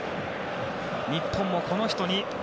日本もこの人に。